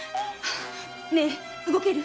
ねえ動ける？